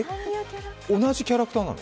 同じキャラクターなの？